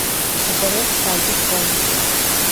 მდებარეობს სალტის პროვინციაში.